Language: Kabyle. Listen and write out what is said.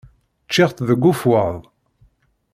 Ččiɣ-tt deg ufwad.